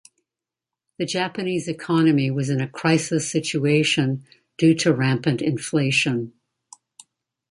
The Japanese economy was in a crisis situation due to rampant inflation.